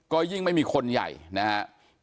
ก็ยิ่งไม่มีคนใหญ่นะครับ